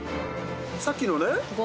さっきのね。